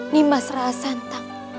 nimas ra santang